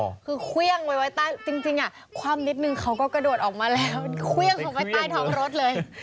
คือเครื่องไว้ไว้ใต้จริงอ่ะคว่ำนิดนึงเขาก็กระโดดออกมาแล้ว